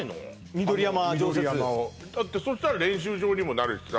緑山をだってそしたら練習場にもなるしさ